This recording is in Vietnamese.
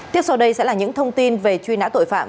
tiếp sau đây sẽ là những thông tin về truy nã tội phạm